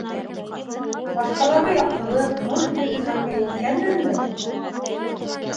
Башҡаларға яҡтылыҡ, нур бирер хәлгә еткәнменме?